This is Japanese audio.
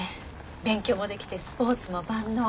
勉強も出来てスポーツも万能。